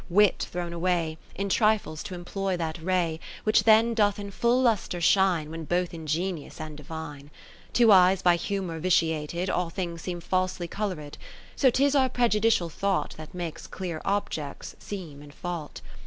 Wit thrown away, In trifles to employ that ray, 50 Which then doth in full lustre shine When both ingenious and divine. XIV To eyes by humour vitiated All things seem falsely coloured : So 'tis our prejudicial thought That makes clear objects seem in fault.